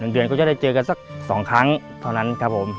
เดือนก็จะได้เจอกันสัก๒ครั้งเท่านั้นครับผม